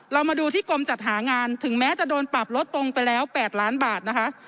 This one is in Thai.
เรามาดูที่กรมจัดหางานถึงแม้จะโดนปรับลดลงไปแล้ว๘ล้านบาทนะคะ